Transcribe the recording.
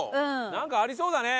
なんかありそうだね。